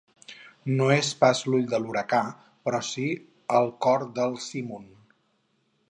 No és pas l'ull de l'huracà, però sí el cor del simun.